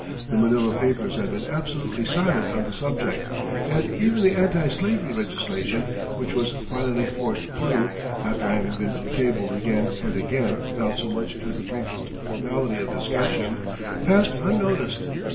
The Manila papers had been absolutely silent on the subject, and even the anti slavery legislation which was finally forced through, after having been tabled again and again without so much as the briefest formality of discussion, passed unnoticed.